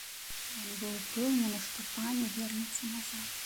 Ён быў упэўнены, што пані вернецца назад.